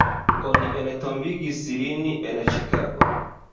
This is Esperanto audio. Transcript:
Oni entombigis lin en Ĉikago.